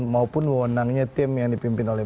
maupun wewenangnya tim yang dipimpin oleh